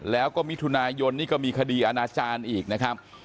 แล้วก็มิถุนายนนี่ก็มีคดีอาณาจารย์อีกนะครับ